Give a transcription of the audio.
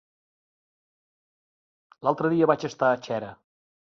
L'altre dia vaig estar a Xera.